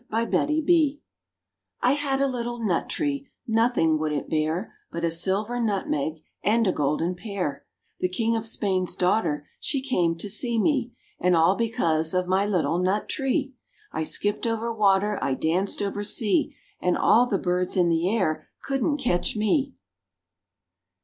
THE NUT TREE I had a little nut tree, Nothing would it bear But a silver nutmeg And a golden pear; The King of Spain's daughter She came to see me, And all because of my little nut tree. I skipped over water, I danced over sea, And all the birds in the air couldn't catch me.